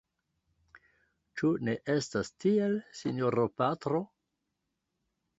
Ĉu ne estas tiel, sinjoro patro?